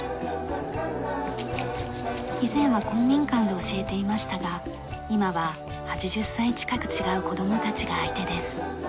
以前は公民館で教えていましたが今は８０歳近く違う子供たちが相手です。